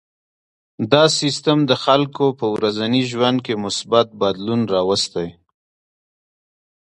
دا سیستم د خلکو په ورځني ژوند کې مثبت بدلون راوستی.